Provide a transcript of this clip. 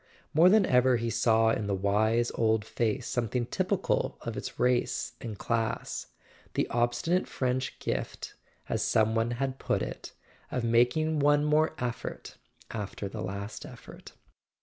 More than ever he saw in the wise old face something typical of its race and class: the obstinate French gift, as some one had put it, of mak [ 374 ] A SON AT THE FRONT ing one more effort after the last effort.